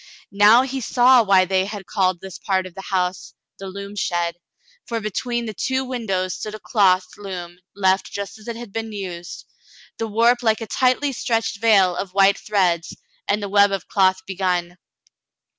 Now he saw why they had called this part of the home the loom shed, for between the two windows stood a cloth loom left just as it had been used, the warp like a tightly stretched veil of white threads, and the web of cloth begun.